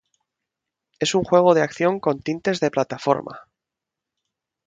Es un juego de acción con tintes de plataforma.